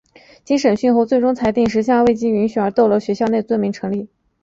经审讯后最终裁定十项未经准许而逗留在学校内罪名成立。